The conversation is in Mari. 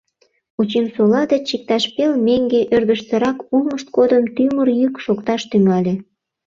Учимсола деч иктаж пел меҥге ӧрдыжтырак улмышт годым тӱмыр йӱк шокташ тӱҥале.